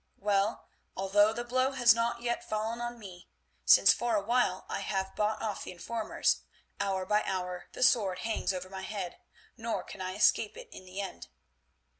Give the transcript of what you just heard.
Well, although the blow has not yet fallen on me, since for a while I have bought off the informers, hour by hour the sword hangs over my head, nor can I escape it in the end.